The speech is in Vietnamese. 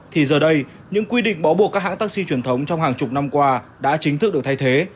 thì giờ đây những quy định bó buộc các hãng taxi truyền thống trong hàng chục năm qua đã chính thức được thay thế